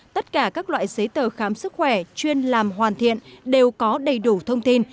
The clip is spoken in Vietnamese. tất cả các loại giấy tờ khám sức khỏe chuyên làm hoàn thiện đều có đầy đủ thông tin